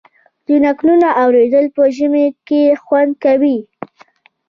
د نکلونو اوریدل په ژمي کې خوند کوي.